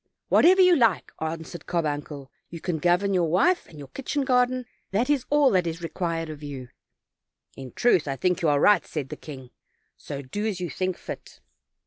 "Whatever you like," answered Carbuncle; "you can govern your wife and your kitchen garden; that is all that is required of you." "In truth, I think that you are right," said the king; "so do as you think fit."